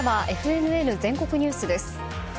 続いてはＦＮＮ全国ニュースです。